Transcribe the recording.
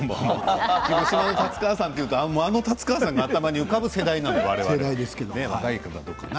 広島の達川さんはあの達川さんが頭に浮かぶ世代なんですよね。